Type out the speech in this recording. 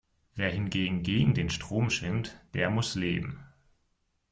Wer hingegen gegen den Strom schwimmt, der muss leben.